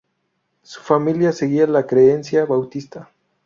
Su familia seguía la creencia bautista.